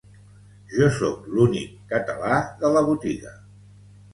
Jo sóc l'únic català de la botiga